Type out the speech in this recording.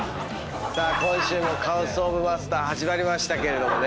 今週もカオスオブマスター始まりましたけれどもね。